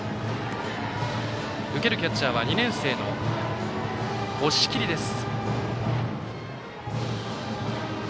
受けるキャッチャーは２年生の押切です。